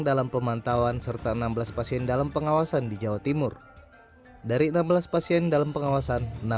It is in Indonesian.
dalam pemantauan serta enam belas pasien dalam pengawasan di jawa timur dari enam belas pasien dalam pengawasan